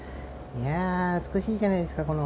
いやぁ美しいじゃないですかこの。